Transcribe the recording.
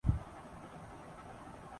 مسئلہ یہ ہے کہ ٹی ٹؤنٹی